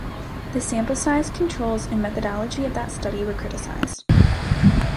The sample size, controls, and methodology of that study were criticized.